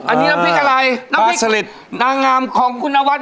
อันนี้น้ำพริกอะไรน้ำพริกสล็ดนางงามของคุณนวัด